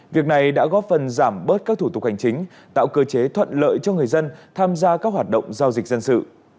việc này đã góp phần giảm bớt các thủ tục hành chính tạo cơ chế thuận lợi cho người dân tham gia các hoạt động giao dịch dân sự